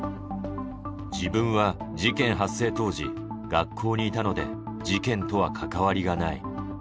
自分は事件発生当時、学校にいたので、事件とは関わりがない。